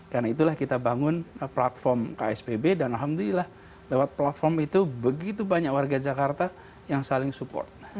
karena itulah kita bangun platform ksbb dan alhamdulillah lewat platform itu begitu banyak warga jakarta yang saling support